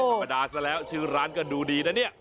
ธรรมดาซะแล้วชื่อร้านก็ดูดีนะเนี่ย